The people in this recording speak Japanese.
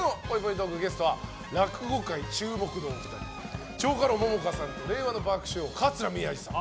トークゲストは落語界注目のお二人蝶花楼桃花さんと令和の爆笑王、桂宮治さん